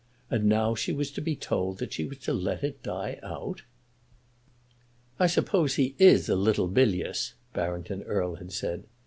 And now she was told that she was to let it "die out!" "I suppose he is a little bilious," Barrington Erle had said.